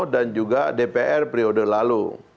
dan juga dpr periode lalu